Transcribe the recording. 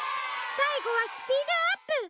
さいごはスピードアップ！